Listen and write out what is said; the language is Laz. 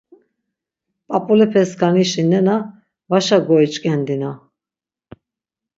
p̌ap̌ulepeskanişi nena vaşa goiç̌ǩendina.